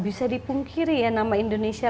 bisa dipungkiri ya nama indonesia